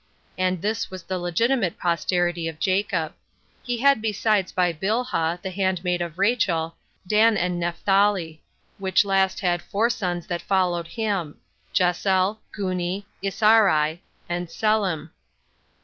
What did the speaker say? And this was the legitimate posterity of Jacob. He had besides by Bilhah, the handmaid of Rachel, Dan and Nephtliali; which last had four sons that followed him Jesel, Guni, Issari, and Sellim.